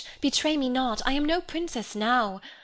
Betray me not! I am no princess now.